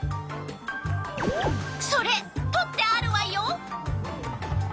それとってあるわよ！